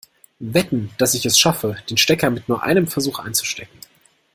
Wetten, dass ich es schaffe, den Stecker mit nur einem Versuch einzustecken?